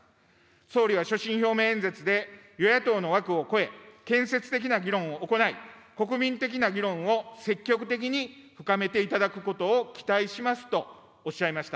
総理は所信表明演説で、与野党の枠を超え、建設的な議論を行い、国民的な議論を積極的に深めていただくことを期待しますとおっしゃいました。